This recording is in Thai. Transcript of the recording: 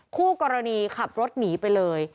คู่กรณีขับรถหนีไปเลย